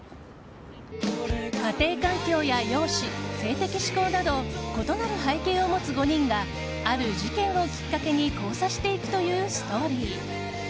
家庭環境や容姿、性的指向など異なる背景を持つ５人がある事件をきっかけに交差していくというストーリー。